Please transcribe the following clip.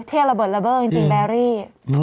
เทระเบิดระเบิดจริงแบรี่